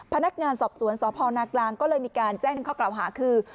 พนักงานสอบสวนสพนากลางก็เลยมีการแจ้งข้อกล่าวหาคือ